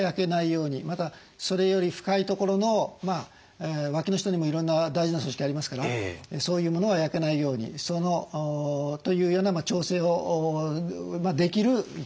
またそれより深いところのわきの下にもいろんな大事な組織ありますからそういうものは焼けないように。というような調整をできる機械なわけですね。